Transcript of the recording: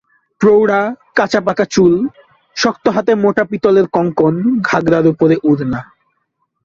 প্রৌঢ়া, কাঁচা-পাকা চুল, শক্ত হাতে মোটা পিতলের কঙ্কণ, ঘাঘরার উপরে ওড়না।